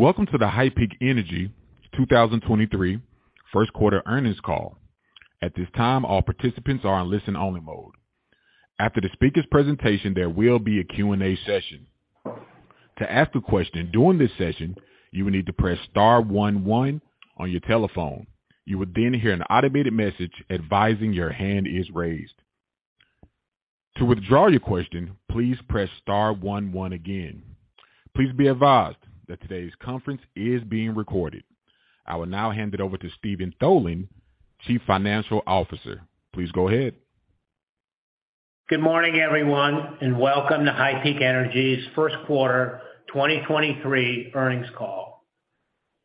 Welcome to the HighPeak Energy, Inc. 2023 first quarter earnings call. At this time, all participants are on listen only mode. After the speaker's presentation, there will be a Q&A session. To ask a question during this session, you will need to press star one one on your telephone. You will then hear an automated message advising your hand is raised. To withdraw your question, please press star one one again. Please be advised that today's conference is being recorded. I will now hand it over to Steven Tholen, Chief Financial Officer. Please go ahead. Good morning, everyone, and welcome to HighPeak Energy, Inc.'s first quarter 2023 earnings call.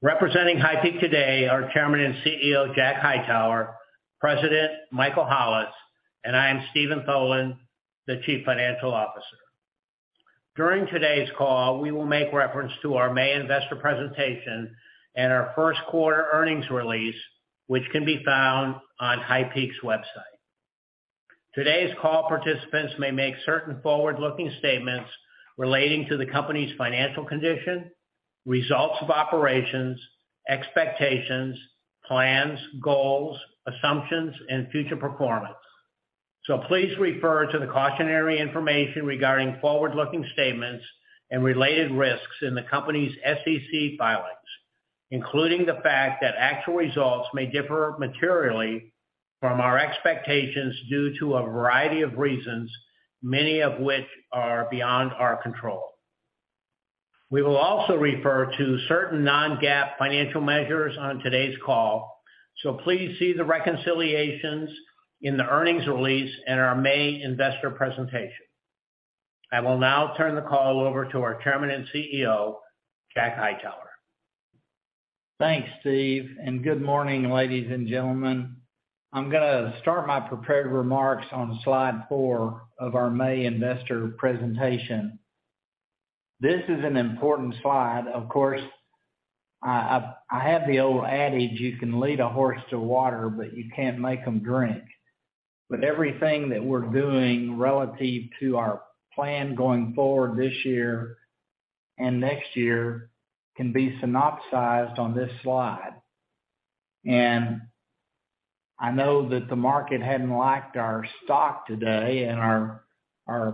Representing HighPeak today are Chairman and CEO, Jack Hightower, President Michael Hollis, and I am Steven Tholen, the Chief Financial Officer. During today's call, we will make reference to our May investor presentation and our first quarter earnings release, which can be found on HighPeak's website. Today's call participants may make certain forward-looking statements relating to the company's financial condition, results of operations, expectations, plans, goals, assumptions, and future performance. Please refer to the cautionary information regarding forward-looking statements and related risks in the company's SEC filings, including the fact that actual results may differ materially from our expectations due to a variety of reasons, many of which are beyond our control. We will also refer to certain non-GAAP financial measures on today's call. Please see the reconciliations in the earnings release in our May investor presentation. I will now turn the call over to our Chairman and CEO, Jack Hightower. Thanks, Steve, good morning, ladies and gentlemen. I'm gonna start my prepared remarks on slide four of our May investor presentation. This is an important slide. Of course, I have the old adage, you can lead a horse to water, but you can't make him drink. Everything that we're doing relative to our plan going forward this year and next year can be synopsized on this slide. I know that the market hadn't liked our stock today and our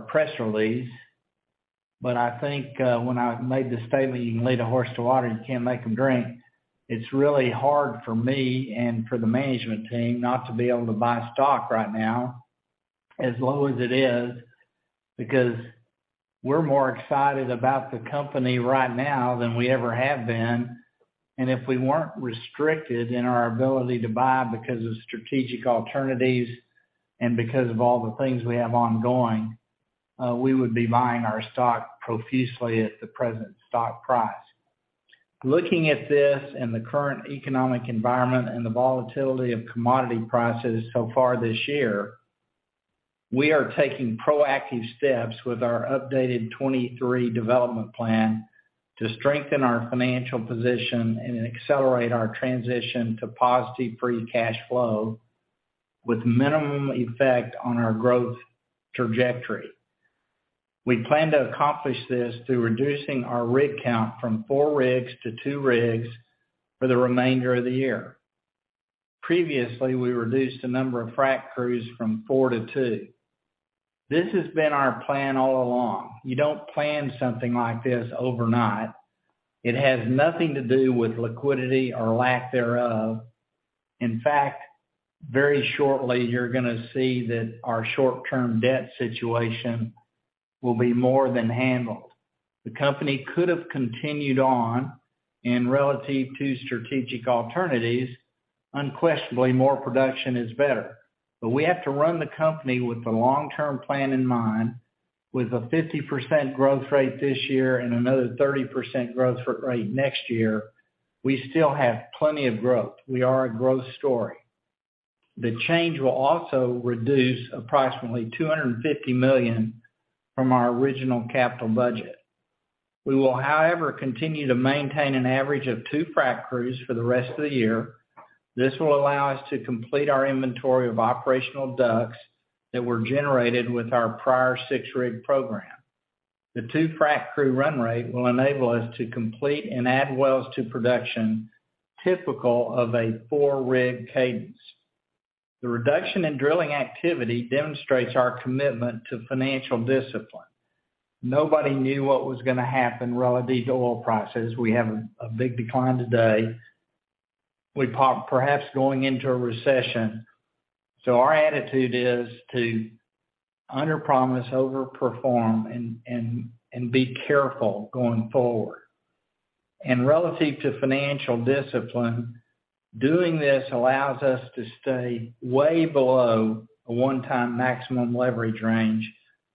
press release, I think when I made the statement, you can lead a horse to water, you can't make him drink. It's really hard for me and for the management team not to be able to buy stock right now as low as it is, because we're more excited about the company right now than we ever have been. If we weren't restricted in our ability to buy because of strategic alternatives and because of all the things we have ongoing, we would be buying our stock profusely at the present stock price. Looking at this in the current economic environment and the volatility of commodity prices so far this year, we are taking proactive steps with our updated 23 development plan to strengthen our financial position and accelerate our transition to positive free cash flow with minimum effect on our growth trajectory. We plan to accomplish this through reducing our rig count from four rigs to two rigs for the remainder of the year. Previously, we reduced the number of frack crews from four to two. This has been our plan all along. You don't plan something like this overnight. It has nothing to do with liquidity or lack thereof. In fact, very shortly you're gonna see that our short term debt situation will be more than handled. Relative to strategic alternatives, unquestionably, more production is better. We have to run the company with the long term plan in mind. With a 50% growth rate this year and another 30% growth rate next year, we still have plenty of growth. We are a growth story. The change will also reduce approximately $250 million from our original capital budget. We will, however, continue to maintain an average of two frack crews for the rest of the year. This will allow us to complete our inventory of operational [DUCs] that were generated with our prior six rig program. The two frack crew run rate will enable us to complete and add wells to production, typical of a four rig cadence. The reduction in drilling activity demonstrates our commitment to financial discipline. Nobody knew what was gonna happen relative to oil prices. We have a big decline today. We perhaps going into a recession. Our attitude is to under promise, over perform and be careful going forward. Relative to financial discipline, doing this allows us to stay way below a one-time maximum leverage range,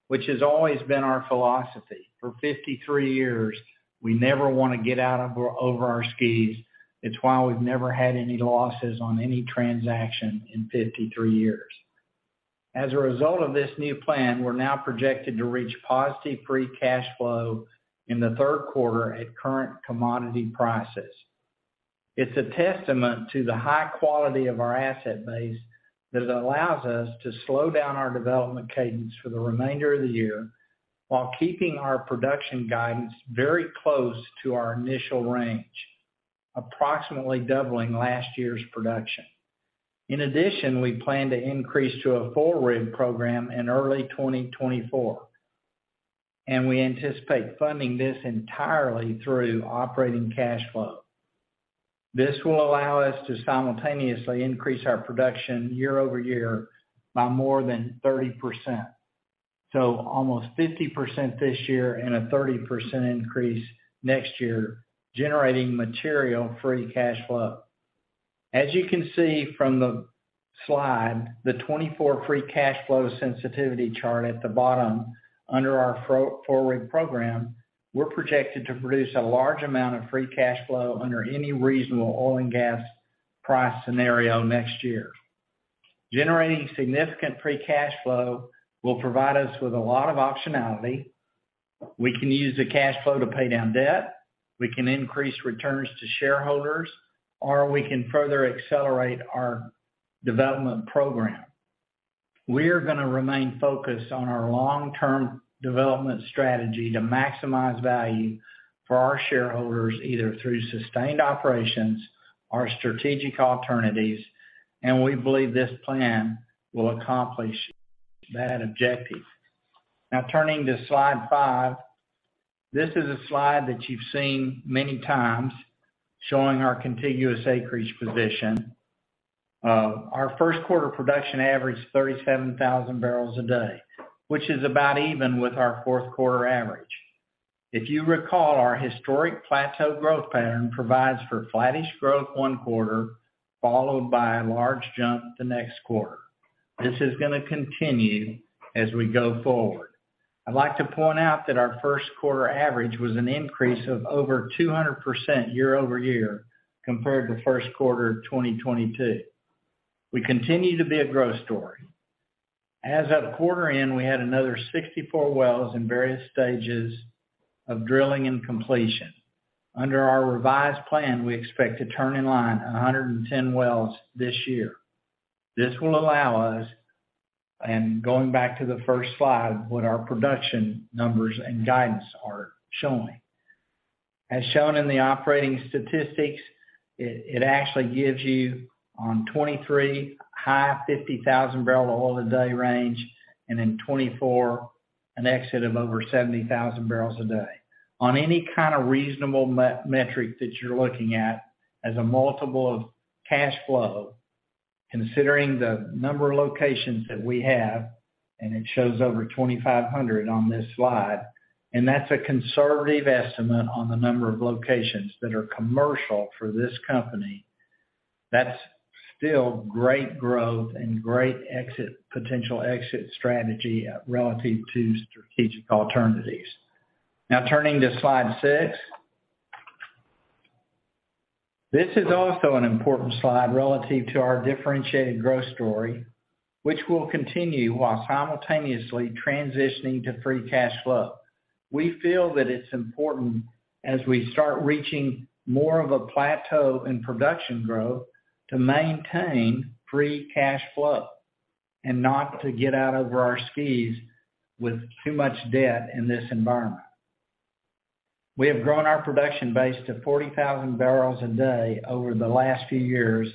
which has always been our philosophy. For 53 years, we never wanna get over our skis. It's why we've never had any losses on any transaction in 53 years. As a result of this new plan, we're now projected to reach positive free cash flow in the third quarter at current commodity prices. It's a testament to the high quality of our asset base that allows us to slow down our development cadence for the remainder of the year while keeping our production guidance very close to our initial range, approximately doubling last year's production. In addition, we plan to increase to a full rig program in early 2024, and we anticipate funding this entirely through operating cash flow. This will allow us to simultaneously increase our production year-over-year by more than 30%. Almost 50% this year and a 30% increase next year, generating material free cash flow. As you can see from the slide, the 2024 free cash flow sensitivity chart at the bottom under our [4-4] rig program, we're projected to produce a large amount of free cash flow under any reasonable oil and gas price scenario next year. Generating significant free cash flow will provide us with a lot of optionality. We can use the cash flow to pay down debt, we can increase returns to shareholders, or we can further accelerate our development program. We are gonna remain focused on our long-term development strategy to maximize value for our shareholders, either through sustained operations or strategic alternatives. We believe this plan will accomplish that objective. Turning to slide five. This is a slide that you've seen many times showing our contiguous acreage position. Our first quarter production averaged 37,000 barrels a day, which is about even with our fourth quarter average. If you recall, our historic plateau growth pattern provides for flattish growth one quarter, followed by a large jump the next quarter. This is gonna continue as we go forward. I'd like to point out that our first quarter average was an increase of over 200% year-over-year compared to first quarter of 2022. We continue to be a growth story. As of quarter end, we had another 64 wells in various stages of drilling and completion. Under our revised plan, we expect to turn in line 110 wells this year. This will allow us, going back to the first slide, what our production numbers and guidance are showing. As shown in the operating statistics, it actually gives you on 2023, high 50,000 barrel oil a day range, and in 2024, an exit of over 70,000 barrels a day. On any kind of reasonable metric that you're looking at as a multiple of cash flow, considering the number of locations that we have, and it shows over 2,500 on this slide, and that's a conservative estimate on the number of locations that are commercial for this company. That's still great growth and great exit, potential exit strategy, relative to strategic alternatives. Turning to slide six. This is also an important slide relative to our differentiated growth story, which will continue while simultaneously transitioning to free cash flow. We feel that it's important, as we start reaching more of a plateau in production growth, to maintain free cash flow and not to get out over our skis with too much debt in this environment. We have grown our production base to 40,000 barrels a day over the last few years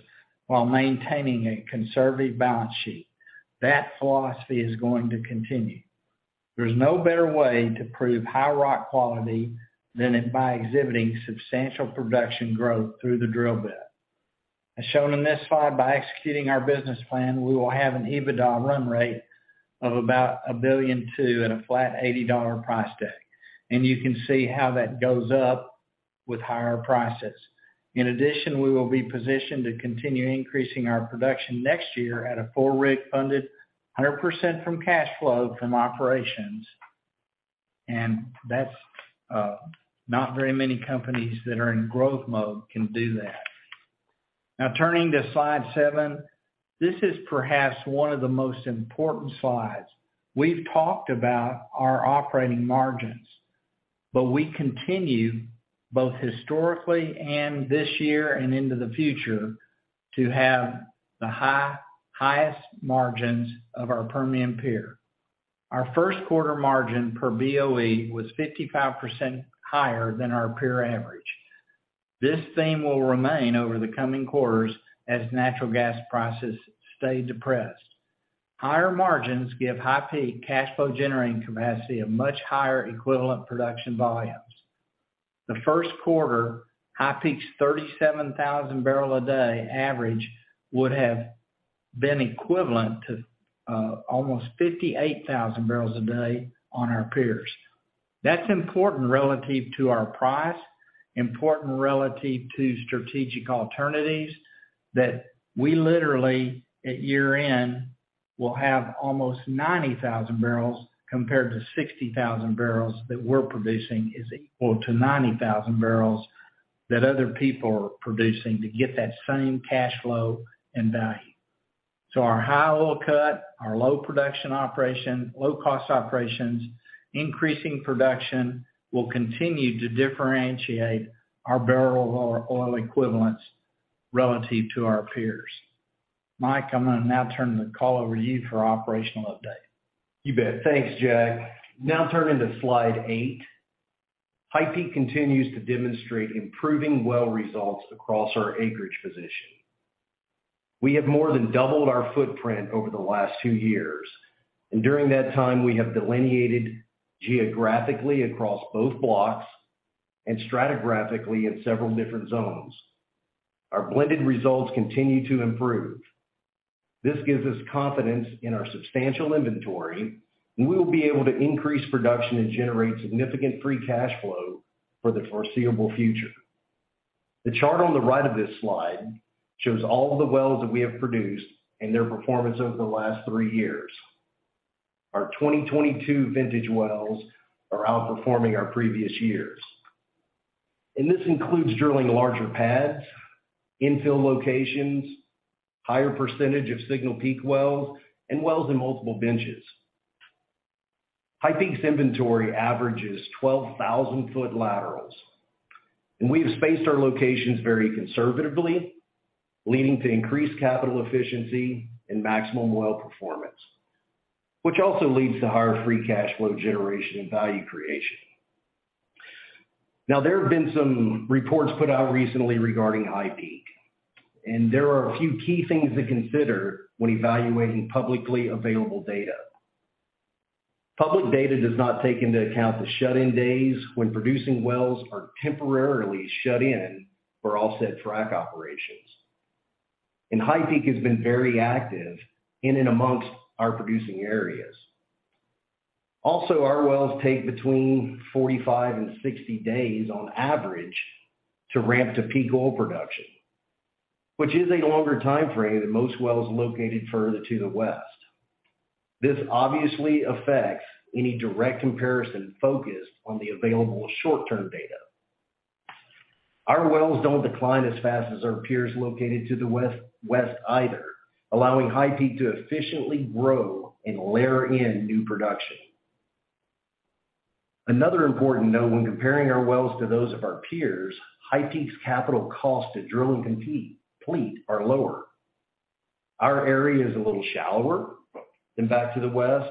while maintaining a conservative balance sheet. That philosophy is going to continue. There's no better way to prove high rock quality than by exhibiting substantial production growth through the drill bit. As shown in this slide, by executing our business plan, we will have an EBITDA run rate of about $1.2 billion at a flat $80 price tag, and you can see how that goes up with higher prices. We will be positioned to continue increasing our production next year at a full rig funded 100% from cash flow from operations, and that's not very many companies that are in growth mode can do that. Turning to slide seven. This is perhaps one of the most important slides. We've talked about our operating margins, we continue, both historically and this year and into the future, to have the highest margins of our Permian peer. Our first quarter margin per BOE was 55% higher than our peer average. This theme will remain over the coming quarters as natural gas prices stay depressed. Higher margins give HighPeak cash flow generating capacity of much higher equivalent production volumes. The first quarter, HighPeak's 37,000 barrel a day average would have been equivalent to almost 58,000 barrels a day on our peers. That's important relative to our price, important relative to strategic alternatives, that we literally, at year-end, will have almost 90,000 barrels compared to 60,000 barrels that we're producing is equal to 90,000 barrels that other people are producing to get that same cash flow and value. Our high oil cut, our low production operation, low cost operations, increasing production will continue to differentiate our barrel or oil equivalents relative to our peers. Mike, I'm gonna now turn the call over to you for operational update. You bet. Thanks, Jack. Turning to slide eight. HighPeak continues to demonstrate improving well results across our acreage position. We have more than doubled our footprint over the last two years. During that time, we have delineated geographically across both blocks and stratigraphically in several different zones. Our blended results continue to improve. This gives us confidence in our substantial inventory. We will be able to increase production and generate significant free cash flow for the foreseeable future. The chart on the right of this slide shows all the wells that we have produced and their performance over the last three years. Our 2022 vintage wells are outperforming our previous years. This includes drilling larger pads, infill locations, higher percentage of Signal Peak wells, and wells in multiple benches. HighPeak's inventory averages 12,000 foot laterals. We have spaced our locations very conservatively, leading to increased capital efficiency and maximum well performance, which also leads to higher free cash flow generation and value creation. There have been some reports put out recently regarding HighPeak. There are a few key things to consider when evaluating publicly available data. Public data does not take into account the shut-in days when producing wells are temporarily shut in for offset frack operations. HighPeak has been very active in and amongst our producing areas. Our wells take between 45 and 60 days on average to ramp to peak oil production, which is a longer time frame than most wells located further to the west. This obviously affects any direct comparison focused on the available short-term data. Our wells don't decline as fast as our peers located to the west either, allowing HighPeak to efficiently grow and layer in new production. Another important note when comparing our wells to those of our peers, HighPeak's capital cost to drill and complete are lower. Our area is a little shallower than back to the west,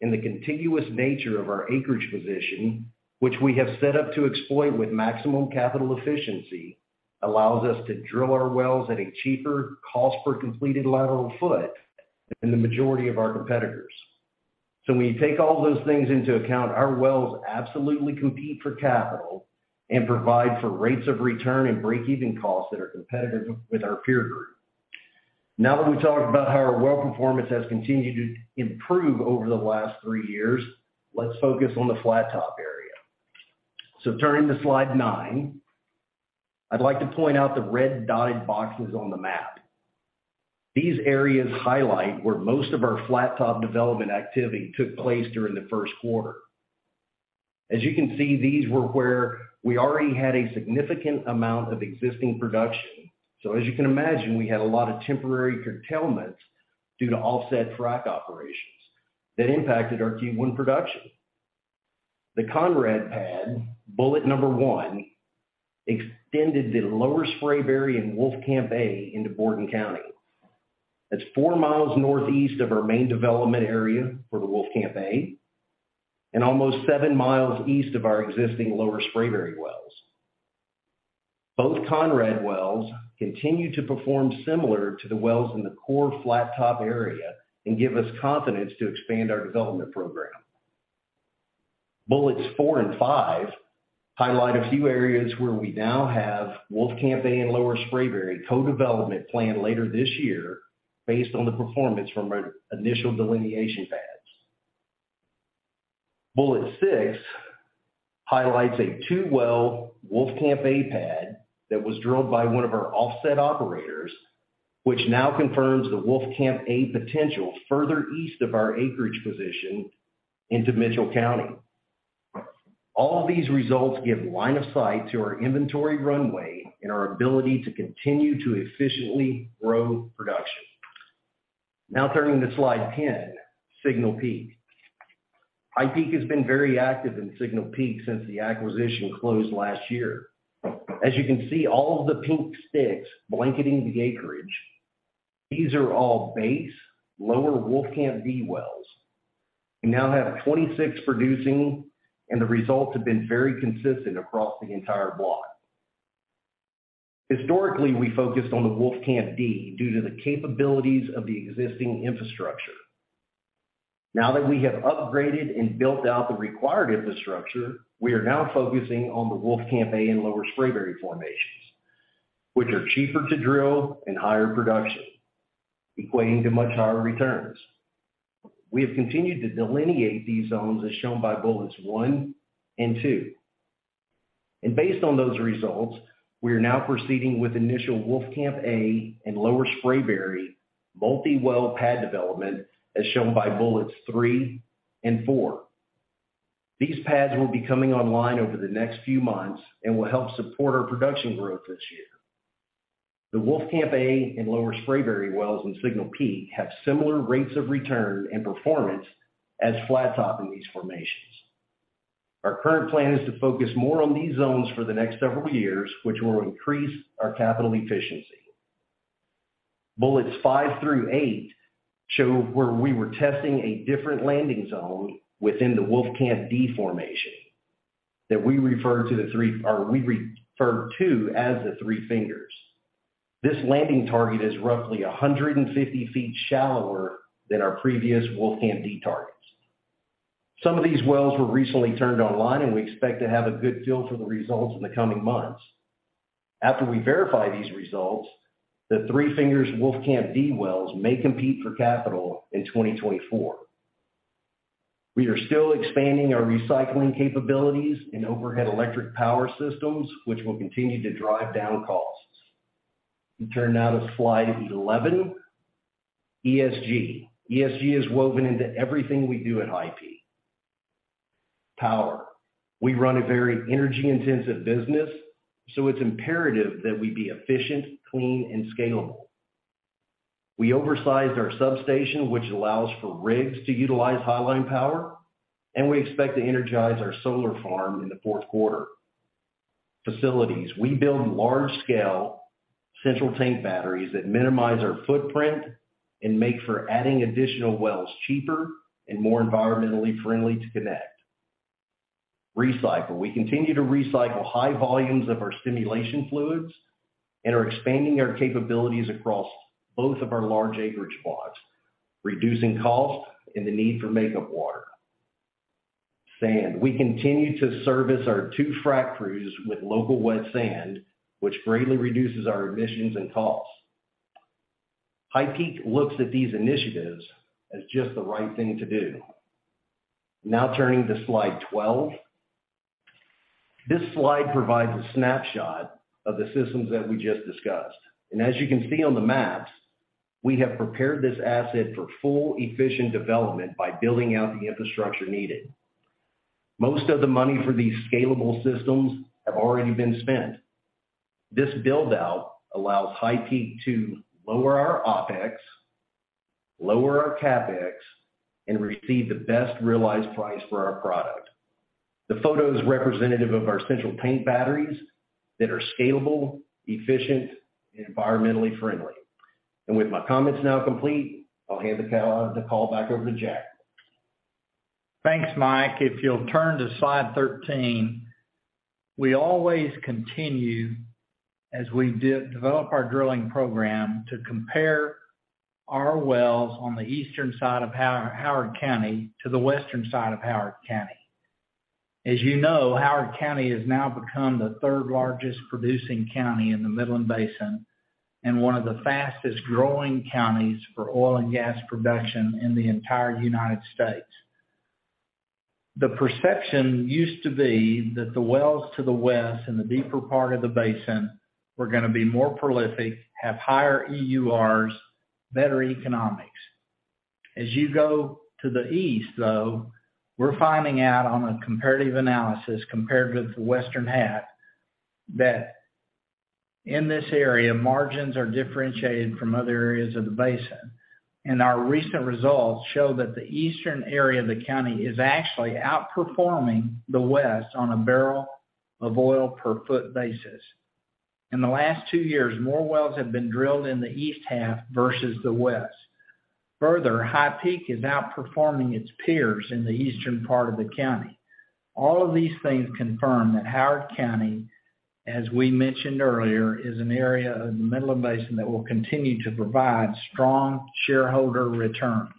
and the contiguous nature of our acreage position, which we have set up to exploit with maximum capital efficiency, allows us to drill our wells at a cheaper cost per completed lateral foot than the majority of our competitors. When you take all those things into account, our wells absolutely compete for capital and provide for rates of return and breakeven costs that are competitive with our peer group. Now that we've talked about how our well performance has continued to improve over the last three years, let's focus on the Flat Top area. Turning to slide nine, I'd like to point out the red dotted boxes on the map. These areas highlight where most of our Flat Top development activity took place during the first quarter. As you can imagine, we had a lot of temporary curtailment due to offset frack operations that impacted our Q1 production. The Conrad pad, bullet one, extended the Lower Spraberry and Wolfcamp A into Borden County. That's four miles northeast of our main development area for the Wolfcamp A and almost seven miles east of our existing Lower Spraberry wells. Both Conrad wells continue to perform similar to the wells in the core Flat Top area and give us confidence to expand our development program. Bullets four and five highlight a few areas where we now have Wolfcamp A and Lower Spraberry co-development planned later this year based on the performance from our initial delineation pads. Bullet six highlights a two-well Wolfcamp A pad that was drilled by one of our offset operators, which now confirms the Wolfcamp A potential further east of our acreage position into Mitchell County. All these results give line of sight to our inventory runway and our ability to continue to efficiently grow production. Turning to slide 10, Signal Peak. HighPeak has been very active in Signal Peak since the acquisition closed last year. As you can see, all of the pink sticks blanketing the acreage, these are all base Lower Wolfcamp D wells. We now have 26 producing, The results have been very consistent across the entire block. Historically, we focused on the Wolfcamp D due to the capabilities of the existing infrastructure. Now that we have upgraded and built out the required infrastructure, we are now focusing on the Wolfcamp A and Lower Spraberry formations, which are cheaper to drill and higher production, equating to much higher returns. We have continued to delineate these zones as shown by bullets one and two. Based on those results, we are now proceeding with initial Wolfcamp A and Lower Spraberry multi-well pad development, as shown by bullets three and four. These pads will be coming online over the next few months and will help support our production growth this year. The Wolfcamp A and Lower Spraberry wells in Signal Peak have similar rates of return and performance as Flattop in these formations. Our current plan is to focus more on these zones for the next several years, which will increase our capital efficiency. Bullets five through eight show where we were testing a different landing zone within the Wolfcamp D formation that we refer to as the Three Fingers. This landing target is roughly 150 feet shallower than our previous Wolfcamp D targets. Some of these wells were recently turned online. We expect to have a good feel for the results in the coming months. After we verify these results, the Three Fingers Wolfcamp D wells may compete for capital in 2024. We are still expanding our recycling capabilities and overhead electric power systems, which will continue to drive down costs. You turn now to slide 11. ESG. ESG is woven into everything we do at HighPeak. Power. We run a very energy-intensive business, so it's imperative that we be efficient, clean and scalable. We oversized our substation, which allows for rigs to utilize highline power, and we expect to energize our solar farm in the fourth quarter. Facilities. We build large-scale central tank batteries that minimize our footprint and make for adding additional wells cheaper and more environmentally friendly to connect. Recycle. We continue to recycle high volumes of our stimulation fluids and are expanding our capabilities across both of our large acreage blocks, reducing cost and the need for makeup water. Sand. We continue to service our two frack crews with local wet sand, which greatly reduces our emissions and costs. HighPeak looks at these initiatives as just the right thing to do. Turning to slide 12. This slide provides a snapshot of the systems that we just discussed. As you can see on the maps, we have prepared this asset for full efficient development by building out the infrastructure needed. Most of the money for these scalable systems have already been spent. This build-out allows HighPeak to lower our OpEx, lower our CapEx, and receive the best realized price for our product. The photo is representative of our central tank batteries that are scalable, efficient and environmentally friendly. With my comments now complete, I'll hand the call back over to Jack. Thanks, Mike. If you'll turn to slide 13. We always continue, as we de-develop our drilling program, to compare our wells on the eastern side of Howard County to the western side of Howard County. As you know, Howard County has now become the third-largest producing county in the Midland Basin and one of the fastest-growing counties for oil and gas production in the entire United States. The perception used to be that the wells to the west and the deeper part of the basin were gonna be more prolific, have higher EURs, better economics. As you go to the east, though, we're finding out on a comparative analysis compared with the western half that in this area, margins are differentiated from other areas of the basin. Our recent results show that the eastern area of the county is actually outperforming the west on a barrel of oil per foot basis. In the last two years, more wells have been drilled in the east half versus the west. Further, HighPeak is outperforming its peers in the eastern part of the county. All of these things confirm that Howard County, as we mentioned earlier, is an area of the Midland Basin that will continue to provide strong shareholder returns.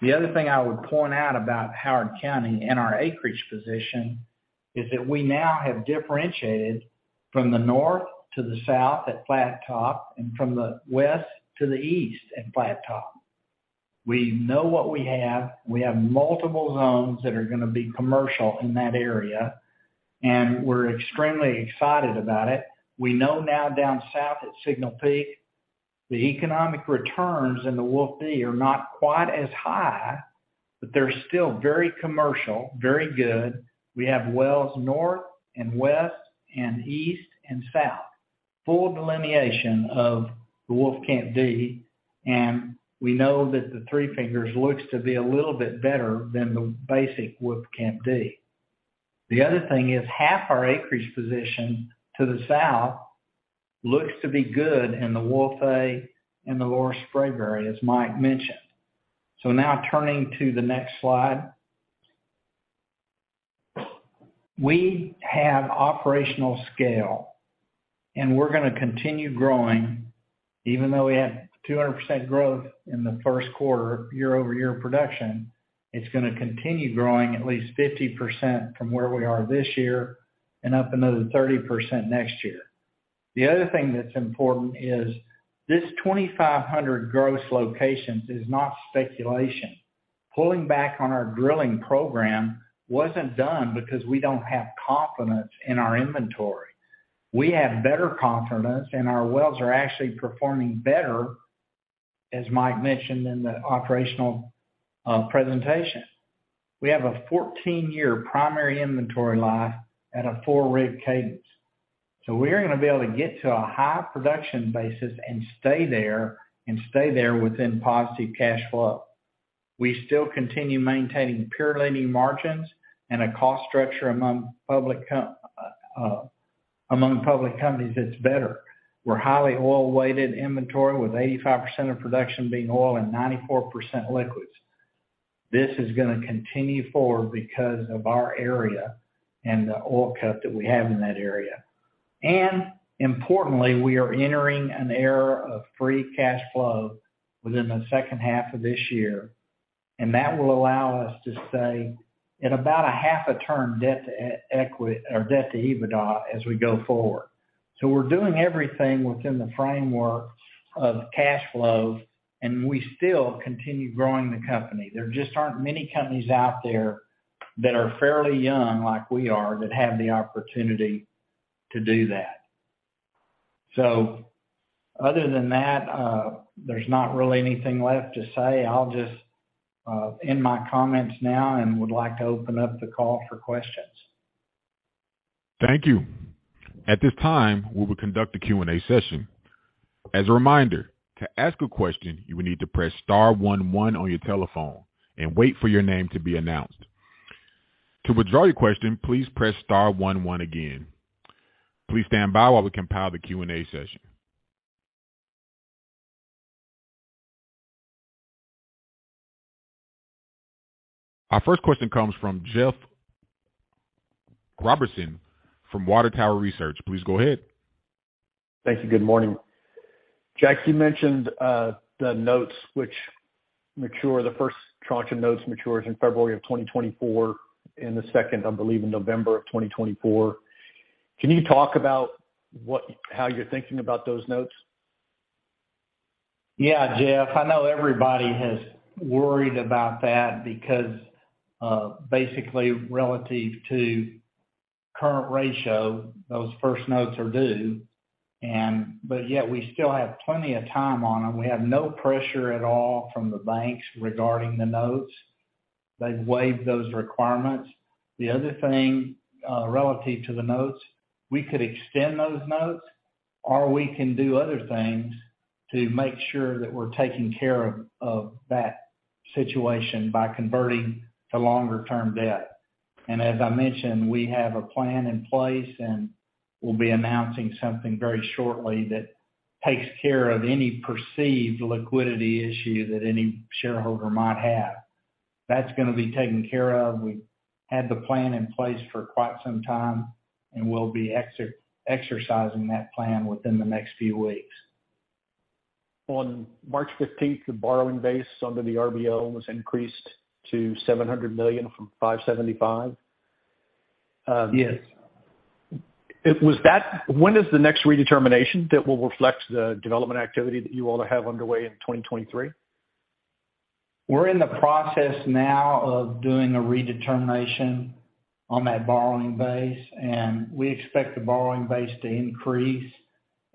The other thing I would point out about Howard County and our acreage position is that we now have differentiated from the north to the south at Flattop and from the west to the east at Flattop. We know what we have. We have multiple zones that are gonna be commercial in that area, and we're extremely excited about it. We know now down south at Signal Peak, the economic returns in the Wolfcamp D are not quite as high, they're still very commercial, very good. We have wells north and west and east and south, full delineation of the Wolfcamp D, we know that the Three Fingers looks to be a little bit better than the basic Wolfcamp D. The other thing is, half our acreage position to the south looks to be good in the Wolfcamp A and the Lower Spraberry, as Mike mentioned. Now turning to the next slide. We have operational scale, we're going to continue growing. Even though we had 200% growth in the first quarter year-over-year production, it's going to continue growing at least 50% from where we are this year and up another 30% next year. The other thing that's important is this 2,500 gross locations is not speculation. Pulling back on our drilling program wasn't done because we don't have confidence in our inventory. We have better confidence, and our wells are actually performing better. As Mike mentioned in the operational presentation, we have a 14-year primary inventory life at a four rig cadence. We're gonna be able to get to a high production basis and stay there, and stay there within positive cash flow. We still continue maintaining peer-leading margins and a cost structure among public companies that's better. We're highly oil-weighted inventory with 85% of production being oil and 94% liquids. This is gonna continue forward because of our area and the oil cut that we have in that area. Importantly, we are entering an era of free cash flow within the second half of this year, and that will allow us to stay at about a half a term debt to or debt to EBITDA as we go forward. We're doing everything within the framework of cash flow, and we still continue growing the company. There just aren't many companies out there that are fairly young, like we are, that have the opportunity to do that. Other than that, there's not really anything left to say. I'll just end my comments now and would like to open up the call for questions. Thank you. At this time, we will conduct a Q&A session. As a reminder, to ask a question, you will need to press star one one on your telephone and wait for your name to be announced. To withdraw your question, please press star one one again. Please stand by while we compile the Q&A session. Our first question comes from Jeff Robertson from Water Tower Research. Please go ahead. Thank you. Good morning. Jack, you mentioned the notes which mature, the first tranche of notes matures in February of 2024 and the second, I believe, in November of 2024. Can you talk about how you're thinking about those notes? Yeah, Jeff Robertson, I know everybody has worried about that because, basically, relative to current ratio, those first notes are due, but yet we still have plenty of time on them. We have no pressure at all from the banks regarding the notes. They've waived those requirements. The other thing, relative to the notes, we could extend those notes or we can do other things to make sure that we're taking care of that situation by converting to longer term debt. As I mentioned, we have a plan in place, and we'll be exercising that plan within the next few weeks. On March 15th, the borrowing base under the RBL was increased to $700 million from $575 million. Yes. When is the next redetermination that will reflect the development activity that you all have underway in 2023? We're in the process now of doing a redetermination on that borrowing base. We expect the borrowing base to increase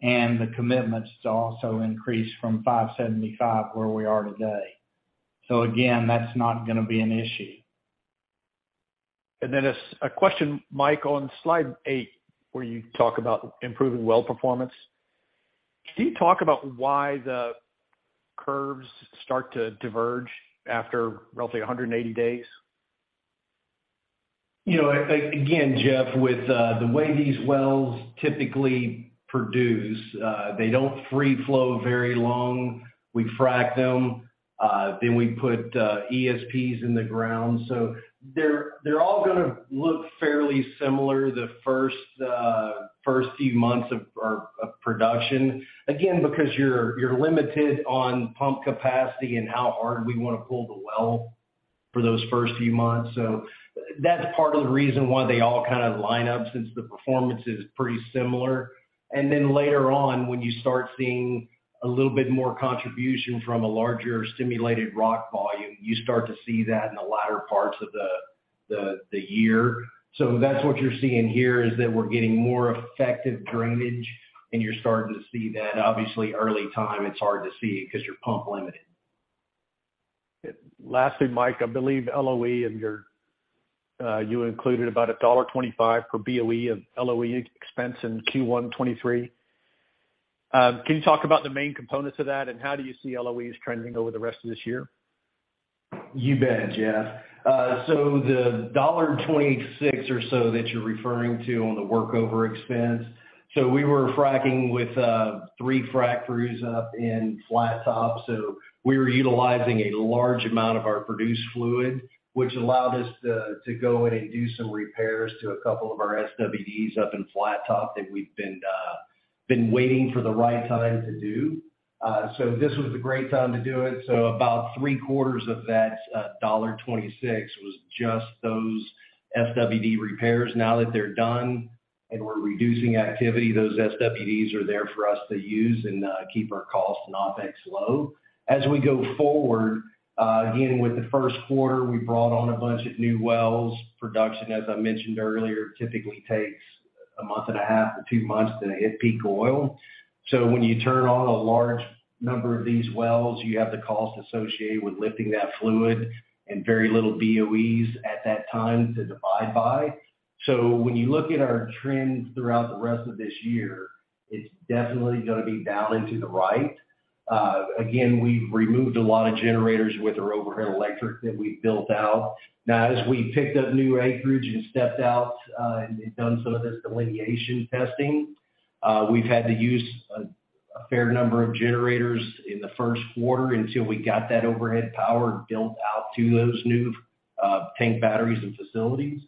and the commitments to also increase from $575, where we are today. Again, that's not gonna be an issue. A question, Mike, on slide eight, where you talk about improving well performance. Can you talk about why the curves start to diverge after roughly 180 days? You know, again, Jeff, with the way these wells typically produce, they don't free flow very long. We frack them, then we put ESPs in the ground. They're all gonna look fairly similar the first few months of production. Because you're limited on pump capacity and how hard we wanna pull the well for those first few months. That's part of the reason why they all kind of line up, since the performance is pretty similar. Then later on, when you start seeing a little bit more contribution from a larger stimulated rock volume, you start to see that in the latter parts of the year. That's what you're seeing here, is that we're getting more effective drainage, and you're starting to see that. Obviously, early time, it's hard to see because you're pump limited. Lastly, Mike, I believe LOE and your, you included about $1.25 per BOE of LOE expense in Q1 2023. Can you talk about the main components of that, and how do you see LOEs trending over the rest of this year? You bet, Jeff. The $1.26 or so that you're referring to on the workover expense. We were fracking with three frack crews up in Flattop. We were utilizing a large amount of our produced fluid, which allowed us to go in and do some repairs to a couple of our SWDs up in Flattop that we've been waiting for the right time to do. This was a great time to do it. About three-quarters of that $1.26 was just those SWD repairs. Now that they're done and we're reducing activity, those SWDs are there for us to use and keep our costs and OpEx low. As we go forward, again, with the first quarter, we brought on a bunch of new wells. Production, as I mentioned earlier, typically takes a month and a half or two months to hit peak oil. When you turn on a large number of these wells, you have the cost associated with lifting that fluid and very little BOEs at that time to divide by. When you look at our trends throughout the rest of this year, it's definitely gonna be down and to the right. Again, we've removed a lot of generators with our overhead electric that we've built out. Now, as we picked up new acreage and stepped out, and done some of this delineation testing, we've had to use a fair number of generators in the first quarter until we got that overhead power built out to those new tank batteries and facilities.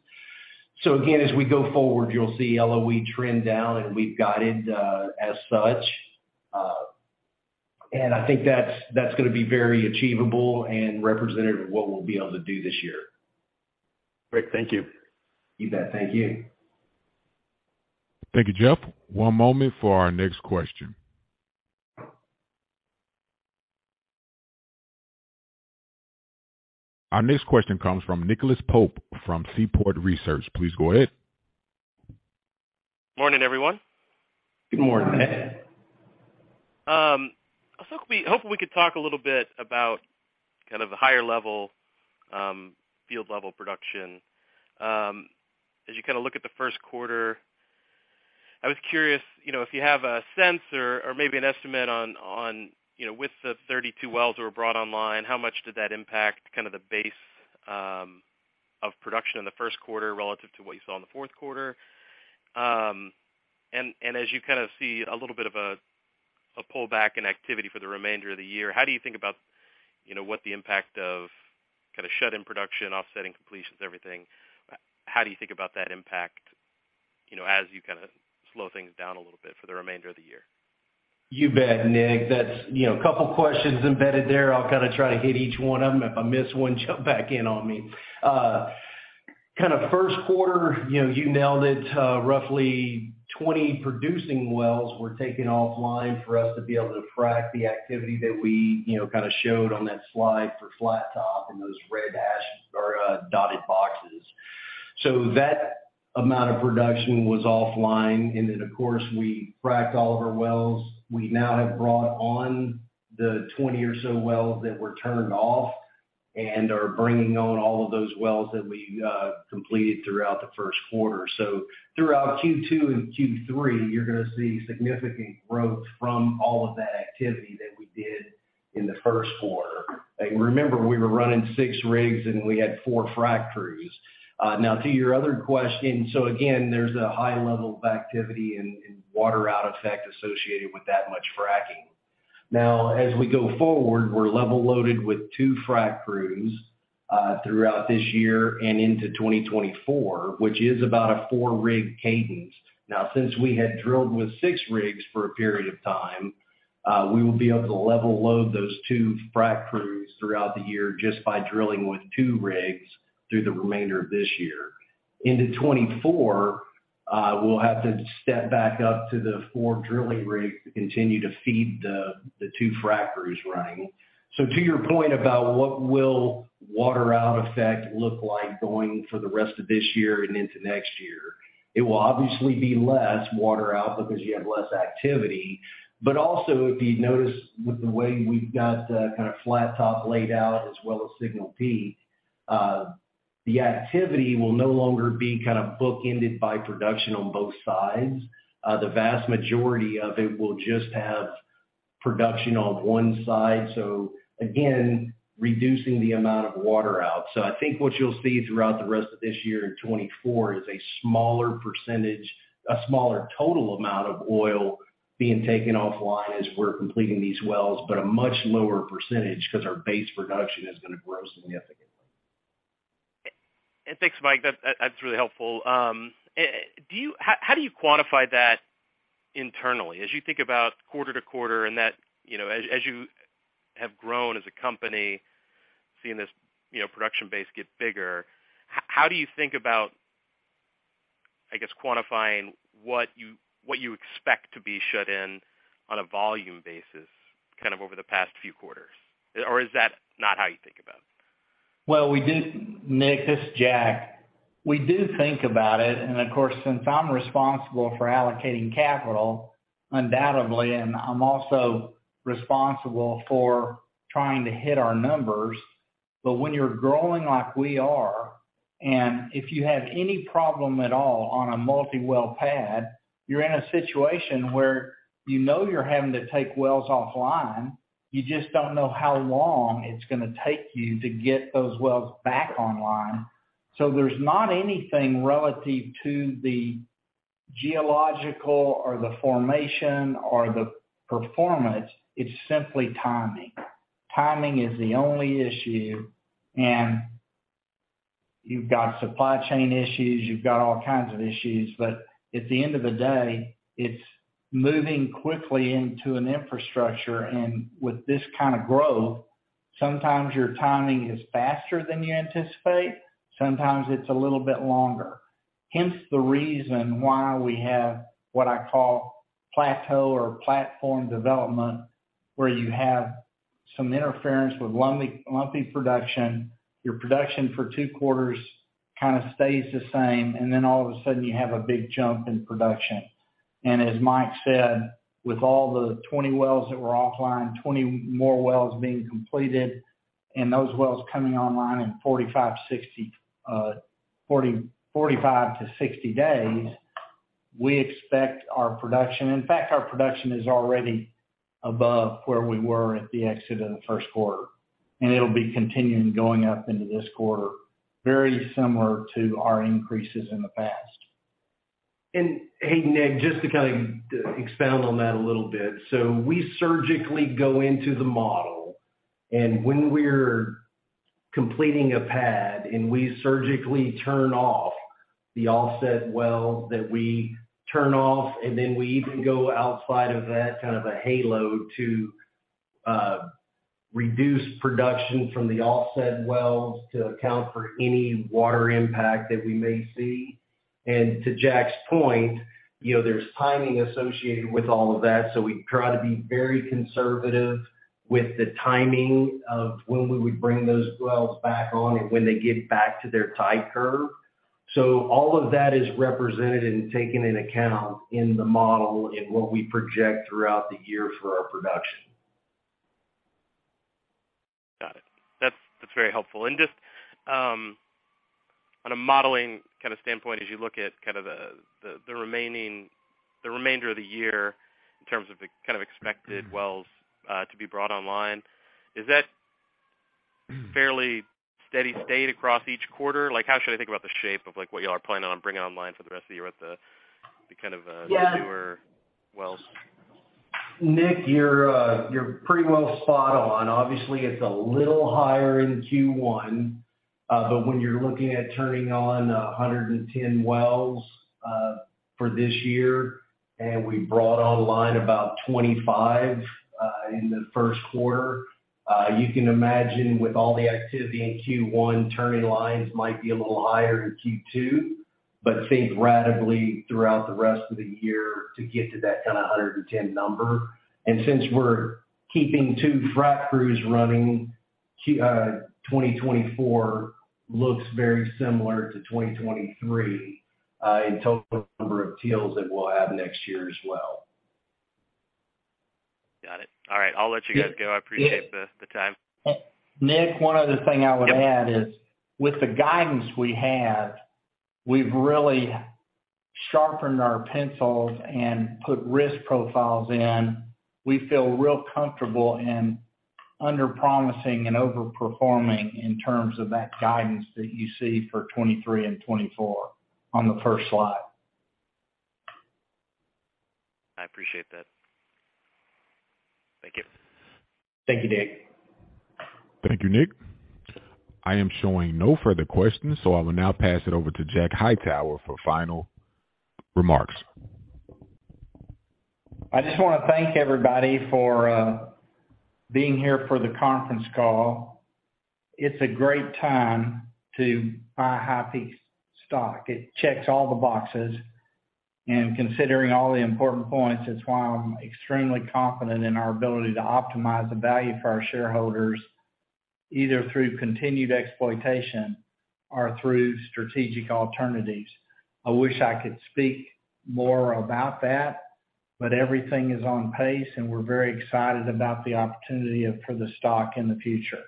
Again, as we go forward, you'll see LOE trend down, and we've guided as such. I think that's gonna be very achievable and representative of what we'll be able to do this year. Great. Thank you. You bet. Thank you. Thank you, Jeff. One moment for our next question. Our next question comes from Nicholas Pope from Seaport Research. Please go ahead. Morning, everyone. Good morning, Nick. I was hoping we could talk a little bit about kind of the higher level, field level production. As you kinda look at the first quarter, I was curious, you know, if you have a sense or maybe an estimate on, you know, with the 32 wells that were brought online, how much did that impact kind of the base of production in the first quarter relative to what you saw in the fourth quarter? As you kind of see a little bit of a pullback in activity for the remainder of the year, how do you think about, you know, what the impact of kinda shut-in production, offsetting completions, everything, how do you think about that impact, you know, as you kinda slow things down a little bit for the remainder of the year? You bet, Nick. That's, you know, a couple of questions embedded there. I'll kinda try to hit each one of them. If I miss one, jump back in on me. kinda first quarter, you know, you nailed it. roughly 20 producing wells were taken offline for us to be able to frack the activity that we, you know, kinda showed on that slide for Flat Top in those red ash or dotted boxes. That amount of production was offline. Of course, we fracked all of our wells. We now have brought on the 20 or so wells that were turned off and are bringing on all of those wells that we completed throughout the first quarter. Throughout Q2 and Q3, you're gonna see significant growth from all of that activity that we did in the first quarter. Remember, we were running six rigs, and we had four frack crews. Now to your other question, again, there's a high level of activity and waterout effect associated with that much fracking. As we go forward, we're level loaded with two frack crews throughout this year and into 2024, which is about a 4-rig cadence. Since we had drilled with 6 rigs for a period of time, we will be able to level load those two frack crews throughout the year just by drilling with two rigs through the remainder of this year. Into 2024, we'll have to step back up to the four drilling rigs to continue to feed the two frack crews running. To your point about what will water out effect look like going for the rest of this year and into next year, it will obviously be less water out because you have less activity. Also, if you notice with the way we've got, kinda Flat Top laid out as well as Signal Peak, the activity will no longer be kind of bookended by production on both sides. The vast majority of it will just have production on one side, so again, reducing the amount of water out. I think what you'll see throughout the rest of this year in 2024 is a smaller total amount of oil being taken offline as we're completing these wells, but a much lower percentage because our base production is gonna grow significantly. Thanks, Mike. That's really helpful. How do you quantify that internally? As you think about quarter to quarter and that, you know, as you have grown as a company, seeing this, you know, production base get bigger, how do you think about, I guess, quantifying what you expect to be shut in on a volume basis, kind of over the past few quarters? Or is that not how you think about it? Nick, this is Jack. We do think about it, and of course, since I'm responsible for allocating capital, undoubtedly, and I'm also responsible for trying to hit our numbers. When you're growing like we are, and if you have any problem at all on a multi-well pad, you're in a situation where you know you're having to take wells offline, you just don't know how long it's gonna take you to get those wells back online. There's not anything relative to the geological or the formation or the performance. It's simply timing. Timing is the only issue. You've got supply chain issues, you've got all kinds of issues. At the end of the day, it's moving quickly into an infrastructure. With this kind of growth, sometimes your timing is faster than you anticipate, sometimes it's a little bit longer. The reason why we have what I call plateau or platform development, where you have Some interference with lumpy production. Your production for two quarters kind of stays the same, then all of a sudden you have a big jump in production. As Mike said, with all the 20 wells that were offline, 20 more wells being completed, and those wells coming online in 45-60 days, we expect our production. Our production is already above where we were at the exit of the first quarter, and it'll be continuing going up into this quarter, very similar to our increases in the past. Hey, Nick, just to kind of expound on that a little bit. We surgically go into the model, and when we're completing a pad, we surgically turn off the offset well that we turn off, and then we even go outside of that, kind of a halo, to reduce production from the offset wells to account for any water impact that we may see. To Jack's point, you know, there's timing associated with all of that, so we try to be very conservative with the timing of when we would bring those wells back on and when they get back to their type curve. All of that is represented and taken into account in the model in what we project throughout the year for our production. Got it. That's very helpful. Just on a modeling kind of standpoint, as you look at kind of the remainder of the year in terms of the kind of expected wells to be brought online, is that fairly steady state across each quarter? Like, how should I think about the shape of like what y'all are planning on bringing online for the rest of the year with the kind of newer wells? Nick, you're pretty well spot on. Obviously, it's a little higher in Q1. When you're looking at turning on 110 wells for this year, and we brought online about 25 in the first quarter, you can imagine with all the activity in Q1, turning lines might be a little higher in Q2. Stay gradually throughout the rest of the year to get to that kind of 110 number. Since we're keeping two frac crews running, Q 2024 looks very similar to 2023 in total number of deals that we'll have next year as well. Got it. All right. I'll let you guys go. I appreciate the time. Nick, one other thing I would add is with the guidance we have, we've really sharpened our pencils and put risk profiles in. We feel real comfortable in under promising and over performing in terms of that guidance that you see for 2023 and 2024 on the first slide. I appreciate that. Thank you. Thank you, Nick. Thank you, Nick. I am showing no further questions, so I will now pass it over to Jack Hightower for final remarks. I just wanna thank everybody for being here for the conference call. It's a great time to buy HighPeak stock. It checks all the boxes. Considering all the important points, it's why I'm extremely confident in our ability to optimize the value for our shareholders, either through continued exploitation or through strategic alternatives. I wish I could speak more about that. Everything is on pace, and we're very excited about the opportunity for the stock in the future.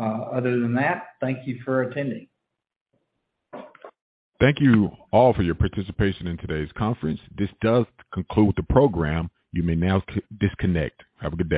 Other than that, thank you for attending. Thank you all for your participation in today's conference. This does conclude the program. You may now disconnect. Have a good day.